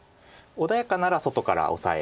穏やかなら外からオサエ。